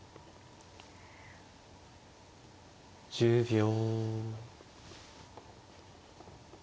１０秒。